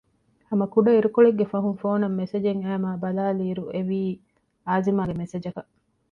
ހަމަ ކުޑައިރުކޮޅެއްގެ ފަހުން ފޯނަށް މެސެޖެއް އައިމާ ބަލައިލިއިރު އެވީ އާޒިމާގެ މެސެޖަކަށް